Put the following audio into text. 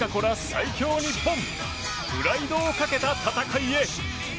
最強日本プライドをかけた戦いへ。